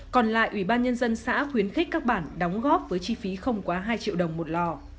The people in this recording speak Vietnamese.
còn lại ủy ban nhân dân xã khuyến khích các bản đóng góp với chi phí không quá hai triệu đồng một lò